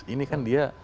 ini kan dia